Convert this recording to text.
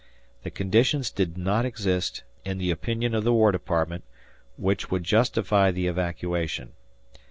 The conditions did not exist, in the opinion of the War Department, which would justify the evacuation.